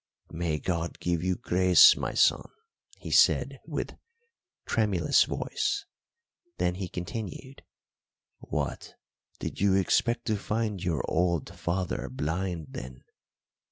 "May God give you grace, my son," he said, with tremulous voice. Then he continued: "What, did you expect to find your old father blind then?